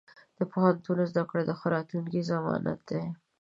د پوهنتون زده کړه د ښه راتلونکي ضمانت دی.